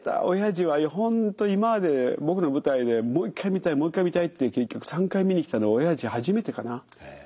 おやじは本当に今まで僕の舞台でもう一回見たいもう一回見たいって結局３回見に来たのはおやじ初めてかな。